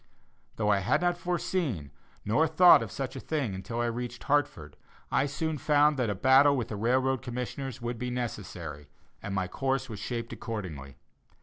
Though I had not foreseen nor thought of such a thing until I reached Hartford, I soon found that a battle with the railroad commissioners would be necessary, and my course was shaped accordingly.